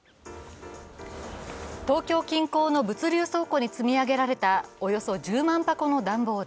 東京近郊の物流倉庫に積み上げられたおよそ１０万箱の段ボール。